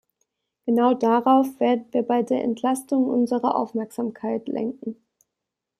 Genau darauf werden wir bei der Entlastung unsere Aufmerksamkeit lenken.